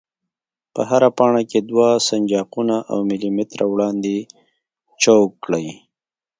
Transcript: په هره پاڼه کې دوه سنجاقونه او ملي متره وړاندې چوګ کړئ.